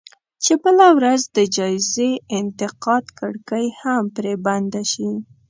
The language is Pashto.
چې بله ورځ د جايز انتقاد کړکۍ هم پرې بنده شي.